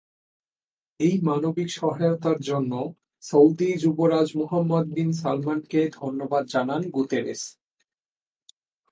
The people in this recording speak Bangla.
এই মানবিক সহায়তার জন্য সৌদি যুবরাজ মোহাম্মদ বিন সালমানকে ধন্যবাদ জানান গুতেরেস।